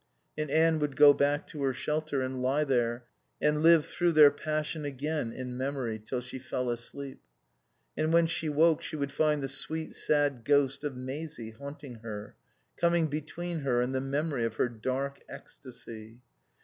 And Anne would go back to her shelter, and lie there, and live through their passion again in memory, till she fell asleep. And when she woke she would find the sweet, sad ghost of Maisie haunting her, coming between her and the memory of her dark ecstasy.